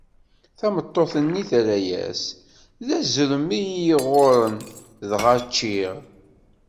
Tameṭṭut-nni terra-as: D azrem i yi-iɣurren, dɣa ččiɣ.